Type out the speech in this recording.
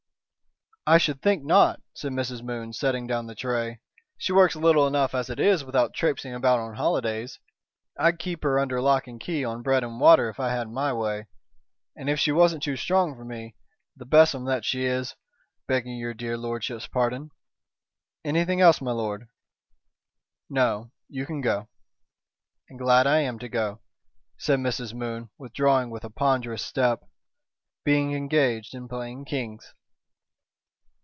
"I should think not," said Mrs. Moon, setting down the tray. "She works little enough as it is without trapesing about on holidays. I'd keep her under lock and key on bread and water if I had my way, and if she wasn't too strong for me, the besom that she is! begging your dear lordship's pardon. Anything else, my lord?" "No. You can go." "And glad I am to go," said Mrs. Moon, withdrawing with a ponderous step, "being engaged in playing kings."